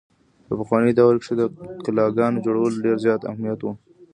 په پخواني دور کښې د قلاګانو جوړولو ډېر زيات اهميت وو۔